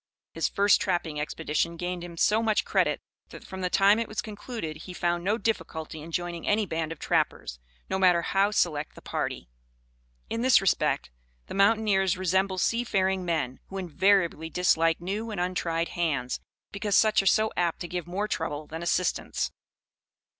His first trapping expedition gained him so much credit, that from the time it was concluded, he found no difficulty in joining any band of trappers, no matter how select the party. In this respect the mountaineers resemble sea faring men, who invariably dislike new and untried hands, because such are so apt to give more trouble than assistance.